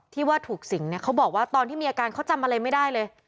ที่ว่าถูกสิงเนี่ยเขาบอกว่าตอนที่มีอาการเขาจำอะไรไม่ได้เลย